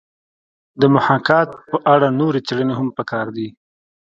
د محاکات په اړه نورې څېړنې هم پکار دي